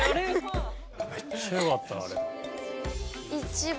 めっちゃよかったなあれ。